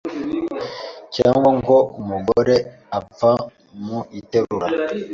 cyangwa ngo umugoreapfa mu iterura